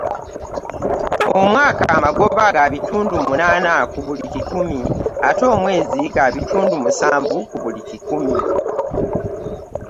Omwaka amagoba ga bitundu munaana ku buli kikumi ate omwezi ga butundu musanvu ku buli kikumi